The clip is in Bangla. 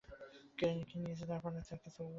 কেড়ে তো নিয়েইছে– তার পর তাকে চোর বলে মার।